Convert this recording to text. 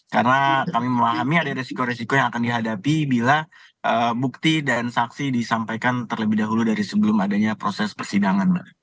karena kami memahami ada resiko resiko yang akan dihadapi bila bukti dan saksi disampaikan terlebih dahulu dari sebelum adanya proses persidangan